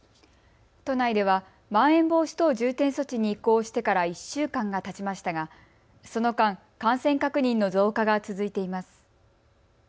都内では、まん延防止等重点措置に移行してから１週間がたちましたが、その間、感染確認の増加が続いています。